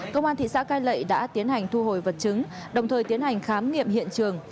công an thị xã cai lệ đã tiến hành thu hồi vật chứng đồng thời tiến hành khám nghiệm hiện trường